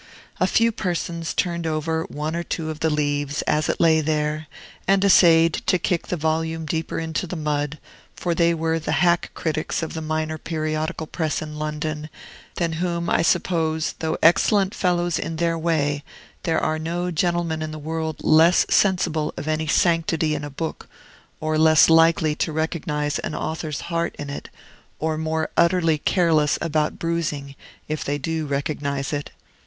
A few persons turned over one or two of the leaves, as it lay there, and essayed to kick the volume deeper into the mud; for they were the hack critics of the minor periodical press in London, than whom, I suppose, though excellent fellows in their way, there are no gentlemen in the world less sensible of any sanctity in a book, or less likely to recognize an author's heart in it, or more utterly careless about bruising, if they do recognize it.